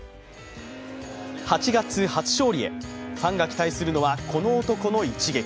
８月、初勝利へ、ファンが期待するのはこの男の一撃。